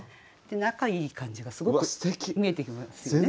仲いい感じがすごく見えてきますよね。